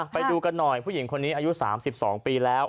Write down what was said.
ไปดูกันหน่อยผู้หญิงคนนี้อายุ๓๒ปีแล้ว